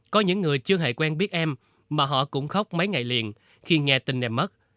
có những người chưa hề quen biết em mà họ cũng khóc mấy ngày liền khi nghe tin đẹp mất